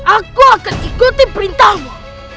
aku akan ikuti perintahmu